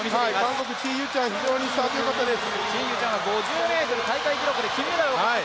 韓国、チ・ユチャン非常にスタートよかったです。